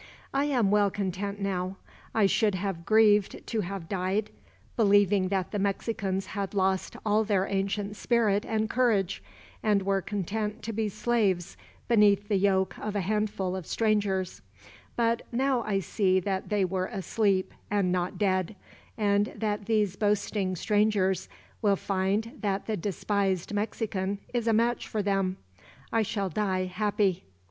"I am well content, now. I should have grieved to have died, believing that the Mexicans had lost all their ancient spirit and courage, and were content to be slaves beneath the yoke of a handful of strangers; but now I see that they were asleep, and not dead; and that these boasting strangers will find that the despised Mexican is a match for them; I shall die happy."